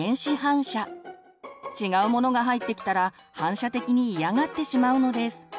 違うものが入ってきたら反射的に嫌がってしまうのです。